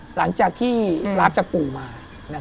หลังจากที่รับจากปู่มา